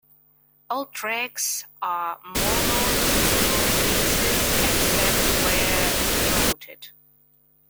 All tracks are mono single mixes, except where noted.